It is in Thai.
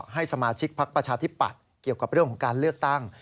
ให้สมาชิกพักประชาธิปัตย์เกี่ยวกับเรื่องของการเลือกตั้ง